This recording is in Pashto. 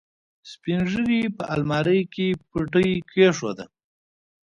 سپينږيري په المارۍ کې پټۍ کېښوده.